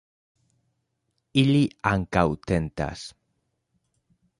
Ili ankaŭ tentas.